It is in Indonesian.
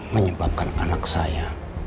menyebabkan anak saya